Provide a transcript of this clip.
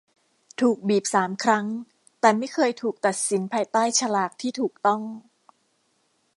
ถูกบีบสามครั้ง แต่ไม่เคยถูกตัดสินภายใต้ฉลากที่ถูกต้อง